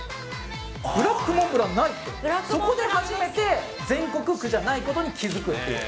ブラックモンブランないって、そこで初めて全国区じゃないことに気付くっていう。